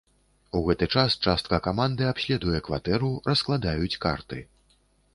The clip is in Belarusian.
У гэты час частка каманды абследуе кватэру, раскладаюць карты.